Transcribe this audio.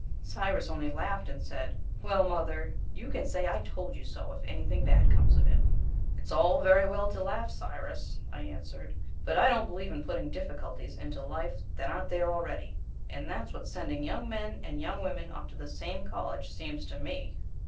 Cyrus only laughed and said: "Well, mother, you can say 'I told you so' if anything bad comes of it." "It's all very well to laugh, Cyrus," I answered, "but I don't believe in putting difficulties into life that aren't there already, and that's what sending young men and young women off to the same college seems to ME!"